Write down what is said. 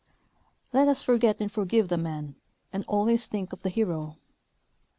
Let ns forget and forgive the man and always think of the hero.